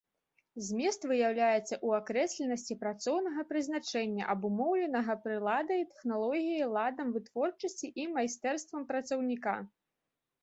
Змест выяўляецца ў акрэсленасці працоўнага прызначэння, абумоўленага прыладай, тэхналогіяй, ладам вытворчасці і майстэрствам працаўніка.